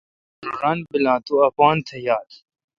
پرہ ران بیل تو اپن اں تی یال۔